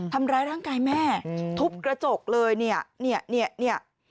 ทำร้ายร่างกายแม่ทุบกระจกเลยนี่